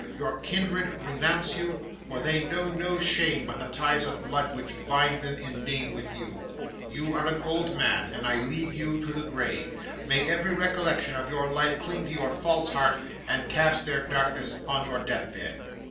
Your kindred renounce you, for they know no shame but the ties of blood which bind them in name with you. 'You are an old man, and I leave you to the grave. May every recollection of your life cling to your false heart, and cast their darkness on your death bed.